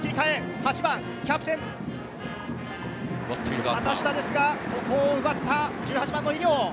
８番・キャプテンの畑下ですが、ここを奪った１８番の井料。